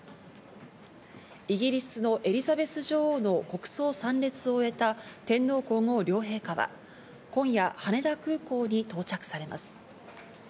イギリスのエリザベス女王の国葬参列を終えた天皇皇后両陛下は今夜、羽田空港に到着されます。